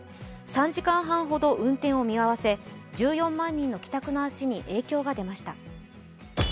３時間半ほど運転を見合わせ１４万人の帰宅の足に影響が出ました。